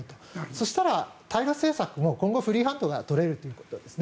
そうしたら対ロ政策も今後はフリーハンドが取れるということですね。